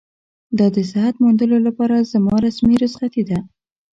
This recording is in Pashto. دا د صحت موندلو لپاره زما رسمي رخصتي ده.